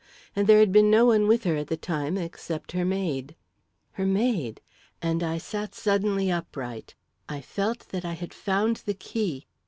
And there had been no one with her at the time except her maid. Her maid! And I sat suddenly upright; I felt that I had found the key!